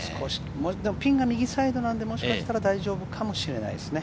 ピンが右サイドなので、もしかしたら大丈夫かもしれないですね。